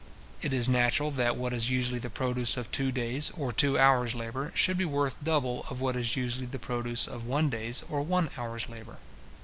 It is natural that what is usually the produce of two days or two hours labour, should be worth double of what is usually the produce of one day's or one hour's labour.